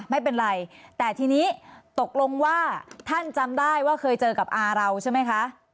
ไม่เป็นไรแต่ทีนี้ตกลงว่าท่านจำได้ว่าเคยเจอกับอาเราใช่ไหมคะ